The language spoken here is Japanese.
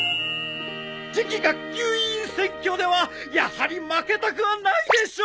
次期学級委員選挙ではやはり負けたくはないでしょう！